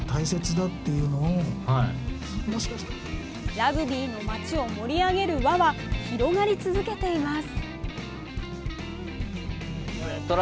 ラグビーの街を盛り上げる輪は広がり続けています。